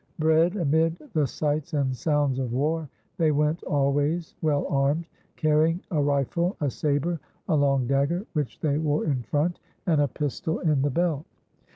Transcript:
Bred amid the sights and sounds of war they went always well armed, carrying a rifle, a sabre, a long dagger, which they wore in front, and a pistol in the belt.